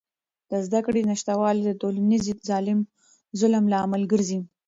د زدهکړې نشتوالی د ټولنیز ظلم لامل ګرځي.